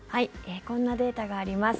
こんなデータがあります。